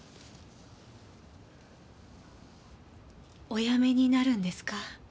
お辞めになるんですか？